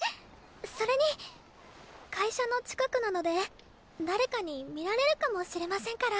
それに会社の近くなので誰かに見られるかもしれませんから。